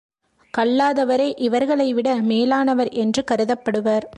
கல்லாதவரே இவர்களைவிட மேலானவர் என்று கருதப்படுவர்.